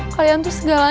kalian tuh segalanya